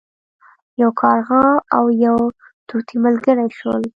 یو کارغه او یو طوطي ملګري شول.